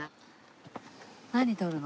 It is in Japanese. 何撮るの？